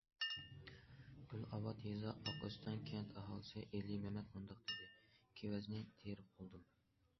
گۈلئاۋات يېزا ئاق ئۆستەڭ كەنت ئاھالىسى ئېلى مەمەت مۇنداق دېدى: كېۋەزنى تېرىپ بولدۇم.